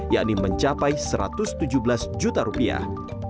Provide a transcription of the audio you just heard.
yakni mencapai satu ratus tujuh belas juta rupiah